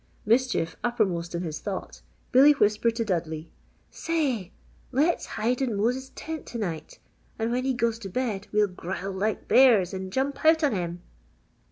Mischief uppermost in his thought, Billy whispered to Dudley: "Say, let's hide in Mose's tent to night and when he goes to bed we'll growl like bears and jump out on him!"